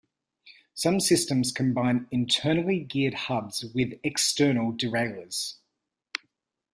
Some systems combine internally geared hubs with external derailleurs.